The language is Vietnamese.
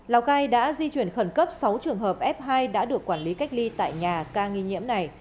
lào cai đã di chuyển khẩn cấp sáu trường hợp f hai đã được quản lý cách ly tại nhà ca nghi nhiễm này